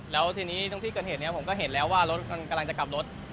แล้วทีนี้ตรงที่เกิดเหตุนี้ผมก็เห็นแล้วว่ารถมันกำลังจะกลับรถ